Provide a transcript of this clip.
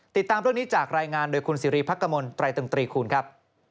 ติดตามเรื่องนี้จากรายงานโดยคุณสิริพักกมลตรายตึงตรีคูณครับ